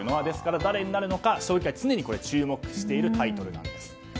ですから誰になるのか将棋界は常に注目しているタイトルなんです。